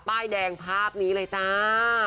ป้ายแดงภาพนี้เลยจ้า